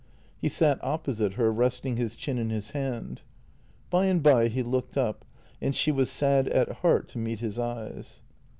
He sat opposite her, resting his chin in his hand. By and by he looked up, and she was sad at heart to meet his eyes.